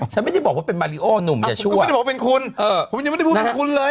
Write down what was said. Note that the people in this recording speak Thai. ฉันไม่ได้บอกว่าเป็นมาริโอหนุ่มอย่าช่วยคือไม่ได้บอกว่าเป็นคุณผมยังไม่ได้พูดถึงคุณเลย